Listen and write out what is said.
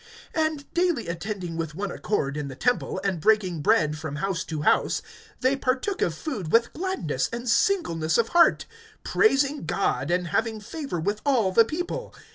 (46)And daily attending with one accord in the temple, and breaking bread from house to house, they partook of food with gladness and singleness of heart, (47)praising God, and having favor with all the people.